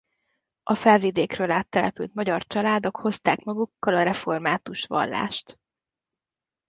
A Felvidékről áttelepült magyar családok hozták magukkal a református vallást.